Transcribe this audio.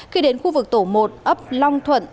khi đến khu vực tổ một ấp long thuận